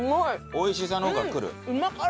おいしさの方がくる？